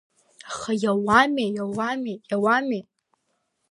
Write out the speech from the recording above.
Аха иауаме, иауаме, иауаме!